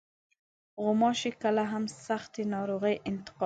غوماشې کله هم سختې ناروغۍ انتقالوي.